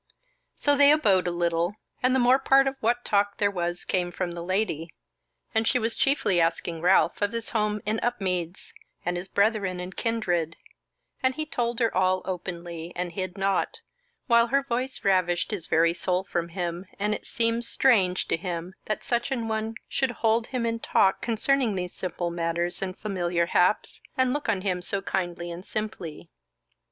So they abode a little, and the more part of what talk there was came from the Lady, and she was chiefly asking Ralph of his home in Upmeads, and his brethren and kindred, and he told her all openly, and hid naught, while her voice ravished his very soul from him, and it seemed strange to him, that such an one should hold him in talk concerning these simple matters and familiar haps, and look on him so kindly and simply.